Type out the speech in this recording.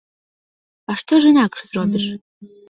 А што ж інакш зробіш?